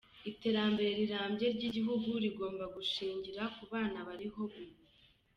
Iterambere rirambye ry’ igihugu rigomba gushingira ku bana bariho ubu.